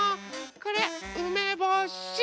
これうめぼし。